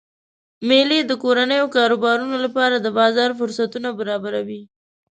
میلې د کورنیو کاروبارونو لپاره د بازار فرصتونه برابروي.